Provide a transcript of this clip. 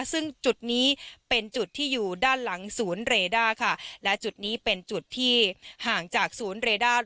ซึ่งจุดนี้เป็นจุดที่อยู่ด้านหลังศูนย์เรด้าค่ะและจุดนี้เป็นจุดที่ห่างจากศูนย์เรด้า